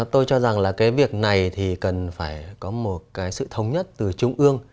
tôi cho rằng là cái việc này thì cần phải có một cái sự thống nhất từ trung ương